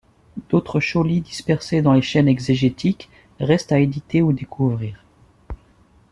D'autres scholies dispersées dans les chaînes exégétiques restent à éditer ou découvrir.